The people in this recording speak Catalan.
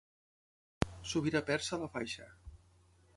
Sobirà persa a la faixa.